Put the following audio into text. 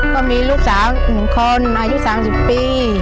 ก็มีลูกสาว๑คนอายุ๓๐ปี